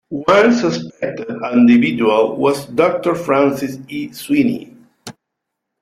One suspected individual was Doctor Francis E. Sweeney.